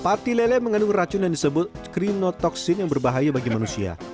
pati lele mengandung racun yang disebut krinotoksin yang berbahaya bagi manusia